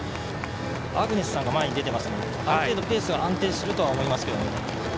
アグネスさんが前に出ているのである程度ペースは安定すると思います。